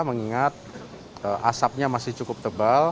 mengingat asapnya masih cukup tebal